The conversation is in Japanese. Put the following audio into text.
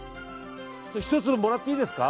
１粒もらっていいですか。